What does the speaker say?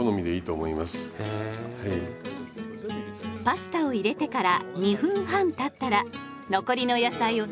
パスタを入れてから２分半たったら残りの野菜を加えます。